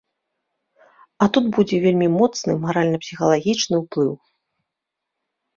А тут будзе вельмі моцны маральна-псіхалагічны ўплыў.